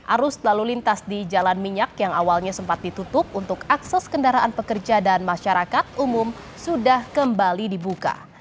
arus lalu lintas di jalan minyak yang awalnya sempat ditutup untuk akses kendaraan pekerja dan masyarakat umum sudah kembali dibuka